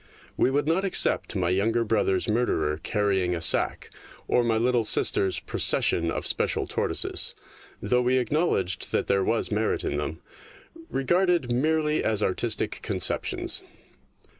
We would not accept my younger brother's murderer carrying a sack or my little sister's pro cession of special tortoises, though we acknowledged that there was merit in them, regarded merely as artistic conceptions.